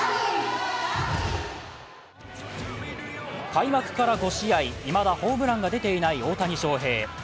開幕から５試合、いまだホームランが出ていない大谷翔平。